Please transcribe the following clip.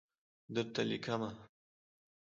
درته لیکمه